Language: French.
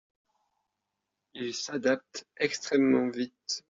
Ils s’adaptent extrêmement vite.